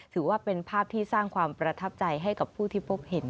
ถือว่าเป็นภาพที่สร้างความประทับใจให้กับผู้ที่พบเห็น